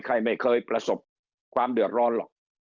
ใครไม่เคยประสบความเดือดร้อนหรอก